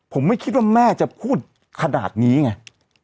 ผมไม่คิดว่าแม่จะพูดขนาดนี้ไง